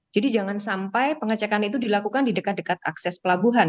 jadi jangan sampai pengecekan itu dilakukan di dekat dekat akses pelabuhan